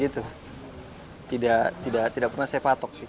tidak pernah saya patok